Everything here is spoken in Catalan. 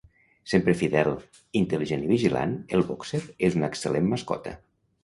Sempre fidel, intel·ligent i vigilant, el bòxer és una excel·lent mascota.